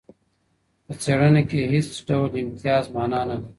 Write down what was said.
په څېړنه کې هیڅ ډول امتیاز مانا نه لري.